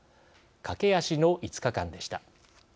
駆け足の５日間でした。